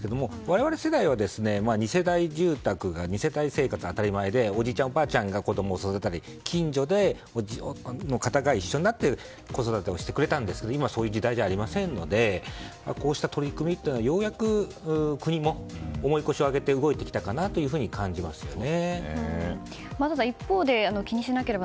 子育ては日本としての問題なんですけど我々世代は２世帯住宅２世帯生活が当たり前でおじいちゃん、おばあちゃんが子供を育てたり近所の方が一緒になって子育てをしてくれたんですけど今はそういう時代じゃありませんのでこうした取り組みというのはようやく国も重い腰を上げて動いてきたかなという感じがしますね。